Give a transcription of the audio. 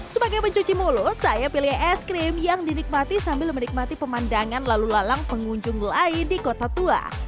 sebagai pencuci mulut saya pilih es krim yang dinikmati sambil menikmati pemandangan lalu lalang pengunjung lain di kota tua